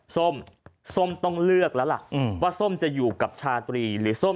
ส้มส้มต้องเลือกแล้วล่ะว่าส้มจะอยู่กับชาตรีหรือส้ม